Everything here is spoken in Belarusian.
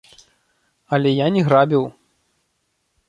Але я не грабіў.